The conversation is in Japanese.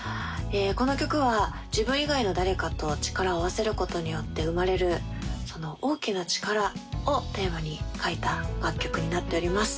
この曲は自分以外の誰かと力を合わせることによって生まれる大きな力をテーマに書いた楽曲になっております